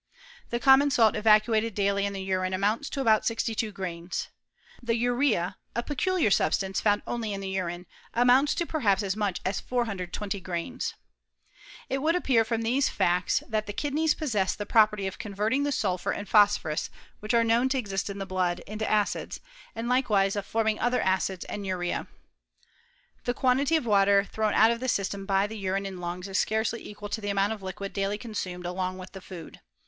The common salt evacuated daily in the urine amounts to about sixty two grains. The urea, a peculiar substance found only in the urine, a mounts perhaps to as much as 420 grains. It would appear from these facts that the kidneys possess the property of converting the sulphur and phosphorus, which are known to exist in the blood, into acids, and likewise of forming other acids and The quantity of water thrown out of the system by the urine and lungs is scarcely equal to the amount of liquid daily consumed along with the food.